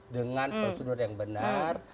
dengan prosedur yang benar